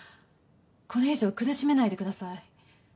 これ以上苦しめないでください。